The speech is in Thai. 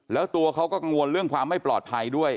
แล้วตัวเขาก็กังวลเรื่องความไม่ปลอดภัยด้วย